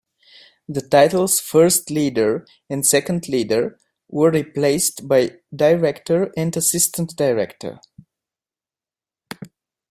The titles First Leader and Second Leader were replaced by Director and Assistant Director.